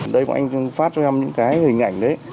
đây bọn anh phát cho em những cái hình ảnh đấy